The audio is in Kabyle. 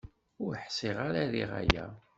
Ur ḥṣiɣ ara riɣ aya.